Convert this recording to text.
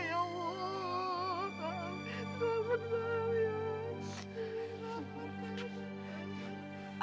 roh kenapa ke sini roh